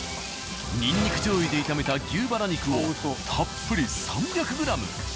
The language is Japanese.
ニンニクじょうゆで炒めた牛バラ肉をたっぷり３００ｇ。